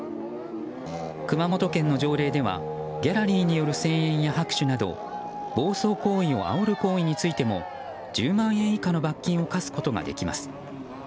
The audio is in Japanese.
熊本県の条例ではギャラリーによる声援や拍手など暴走行為をあおる行為についても１０万円以下の罰金を科すことができます。